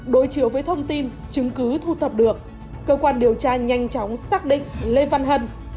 đối chiều với thông tin chứng cứ thu thập được cơ quan điều tra nhanh chóng xác định lê văn hân